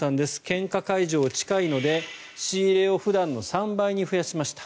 献花会場が近いので、仕入れを普段の３倍に増やしました。